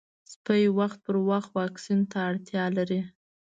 سپي وخت پر وخت واکسین ته اړتیا لري.